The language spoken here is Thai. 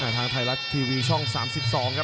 ทางไทยรัฐทีวีช่อง๓๒ครับ